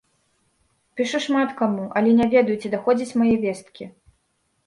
Пішу шмат каму, але не ведаю, ці даходзяць мае весткі.